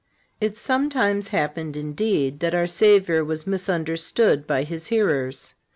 It sometimes happened, indeed, that our Savior was misunderstood by His hearers.